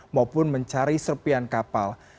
maupun mencari serpian kapal